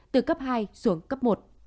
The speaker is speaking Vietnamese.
từ cấp hai xuống cấp một